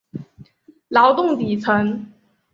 劳动底层